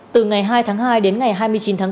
từ ngày hai tháng hai đến ngày hai mươi chín tháng bốn